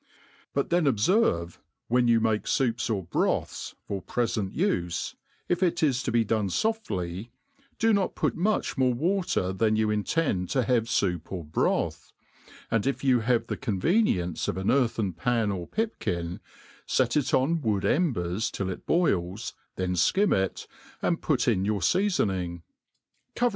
But thenobferve, when you make foups or broths for prefent ufe, if it is to be dorfe foftly, do not put much more water than you intend to have fOup or broth ; and if you have the con venience of an earthen pan or pipkin, fet it on wood embers till it boils, then fkim it, and put in your feafoning ; cover